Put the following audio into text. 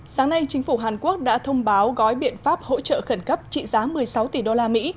sáng nay chính phủ hàn quốc đã thông báo gói biện pháp hỗ trợ khẩn cấp trị giá một mươi sáu tỷ đô la mỹ